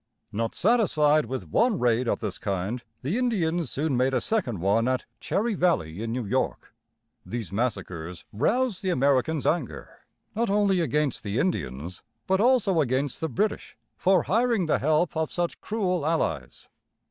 Not satisfied with one raid of this kind, the Indians soon made a second one at Cherry Valley, in New York. These massacres roused the Americans' anger, not only against the Indians, but also against the British for hiring the help of such cruel allies.